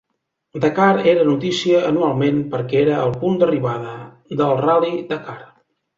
Dakar era notícia anualment perquè era el punt d'arribada del Ral·li Dakar.